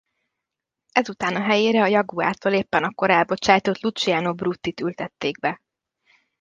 Ezután a helyére a Jaguartól éppen akkor elbocsátott Luciano Burtit ültették be.